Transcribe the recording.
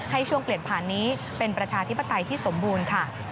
ช่วงเปลี่ยนผ่านนี้เป็นประชาธิปไตยที่สมบูรณ์ค่ะ